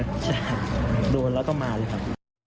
ใช่โดนแล้วก็มาเลยครับ